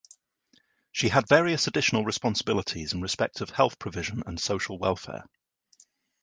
She had various additional responsibilities in respect of health provision and social welfare.